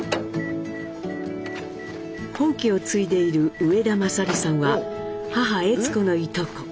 本家を継いでいる植田勝さんは母・悦子のいとこ。